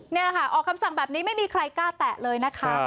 นี่แหละค่ะออกคำสั่งแบบนี้ไม่มีใครกล้าแตะเลยนะคะ